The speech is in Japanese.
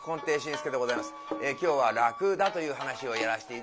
今日は「らくだ」という噺をやらせて頂いて。